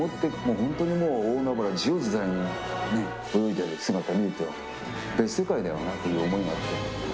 本当に大海原を自由自在に泳いでいる姿を見ると別世界だよなっていう思いがあって。